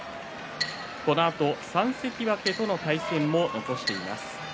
このあと３関脇との対戦も残しています。